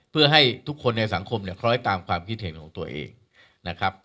เพื่อให้ทุกคนในสังคมคล้อยตามความคิดเห็นของตัวเอง